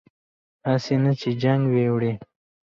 هسې نه چې جنګ وي وړی